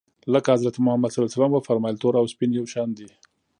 لکه حضرت محمد ص و فرمایل تور او سپین یو شان دي.